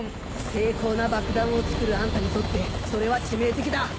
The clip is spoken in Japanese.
精巧な爆弾を作るあんたにとってそれは致命的だ。